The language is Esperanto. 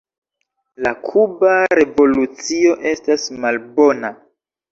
La Kuba revolucio estas malbona.